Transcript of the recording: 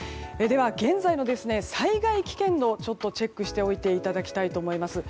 現在の災害危険度をチェックしておいていただきたいと思います。